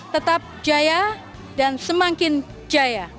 tetap jaya dan semakin jaya